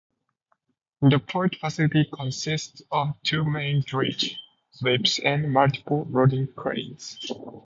The port facility consists of two main dredged slips and multiple loading cranes.